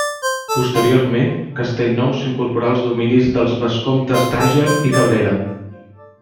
Posteriorment, Castellnou s'incorporà als dominis dels vescomtes d'Àger i Cabrera.